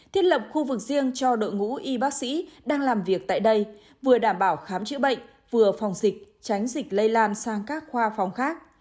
thiết lập khu vực riêng cho đội ngũ y bác sĩ đang làm việc tại đây vừa đảm bảo khám chữa bệnh vừa phòng dịch tránh dịch lây lan sang các khoa phòng khác